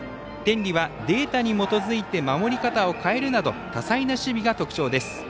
天理はデータに基づいて守り方を変えるなど多彩な守備が特徴です。